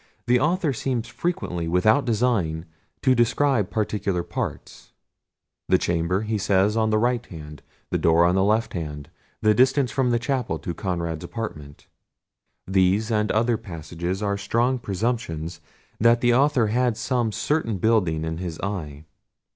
The author seems frequently, without design, to describe particular parts. "The chamber," says he, "on the right hand;" "the door on the left hand;" "the distance from the chapel to Conrad's apartment:" these and other passages are strong presumptions that the author had some certain building in his eye.